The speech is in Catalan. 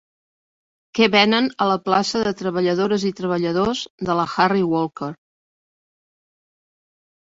Què venen a la plaça de Treballadores i Treballadors de la Harry Walker